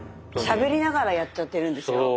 しゃべりながらやっちゃってるんですよ。